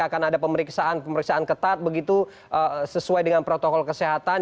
akan ada pemeriksaan pemeriksaan ketat begitu sesuai dengan protokol kesehatan